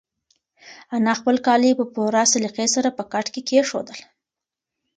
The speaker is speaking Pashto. انا خپل کالي په پوره سلیقې سره په کټ کېښودل.